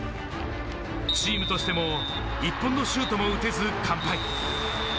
チームとしても１本のシュートも打てず、完敗。